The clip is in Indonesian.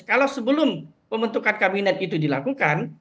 kalau sebelum pembentukan kabinet itu dilakukan